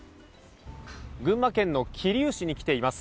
群馬県の桐生市に来ています。